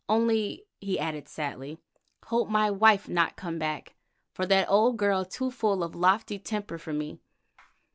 Only," he added sadly, "hope my wife not come back, for that old girl too full of lofty temper for me.